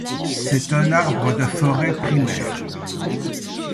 C'est un arbre de forêt primaire.